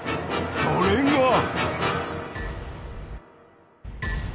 それが。